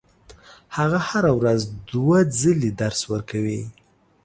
هغه هره ورځ دوه ځلې درس ورکوي.